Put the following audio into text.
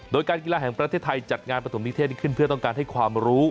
โดยการกีฬาแห่งประเทศไทยจัดงานปฐมนิเทศได้ขึ้นเพื่อต้องการให้ความรู้